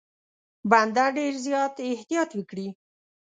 بنده ډېر زیات احتیاط وکړي.